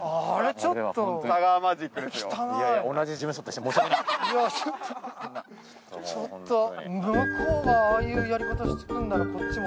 ちょっと向こうがああいうやり方してくるならこっちも。